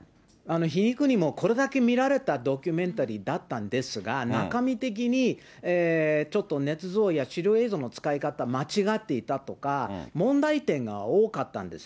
皮肉にもこれだけ見られたドキュメンタリーだったんですが、中身的にちょっとねつ造や、資料映像の使い方間違っていたとか、問題点が多かったんです。